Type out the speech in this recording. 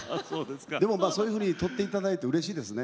でもそういうふうにとっていただいてうれしいですね。